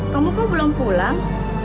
kamu kok belum pulang